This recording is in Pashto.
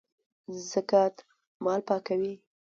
زکات مال پاکوي